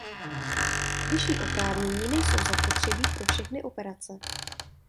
Vyšší oprávnění nejsou zapotřebí pro všechny operace.